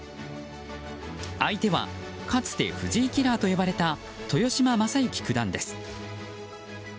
相手はかつて藤井キラーと呼ばれた豊島将之九段です。